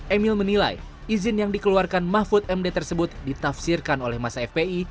emil menilai izin yang dikeluarkan mahfud md tersebut ditafsirkan oleh masa fpi